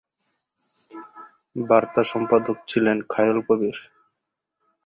বার্তা সম্পাদক ছিলেন খায়রুল কবির।